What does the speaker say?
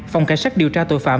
phòng cảnh sát điều tra tội phạm